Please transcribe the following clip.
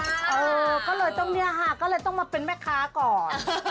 เออก็เลยต้องเนี่ยค่ะก็เลยต้องมาเป็นแม่ค้าก่อน